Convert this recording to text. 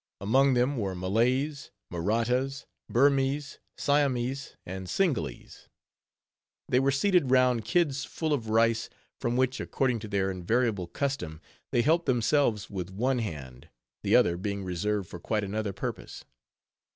Among them were Malays, Mahrattas, Burmese, Siamese, and Cingalese. They were seated round "kids" full of rice, from which, according to their invariable custom, they helped themselves with one hand, the other being reserved for quite another purpose.